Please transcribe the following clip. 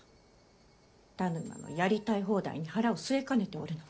田沼のやりたい放題に腹を据えかねておるのは。